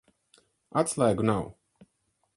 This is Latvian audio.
Atslēgu nav.